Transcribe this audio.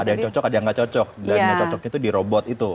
ada yang cocok ada yang nggak cocok dan yang cocoknya itu di robot itu